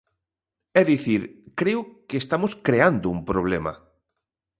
É dicir, creo que estamos creando un problema.